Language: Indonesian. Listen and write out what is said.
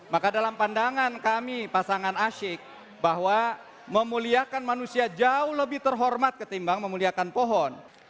maka dalam pandangan kami pasangan asyik bahwa memuliakan manusia jauh lebih terhormat ketimbang memuliakan pohon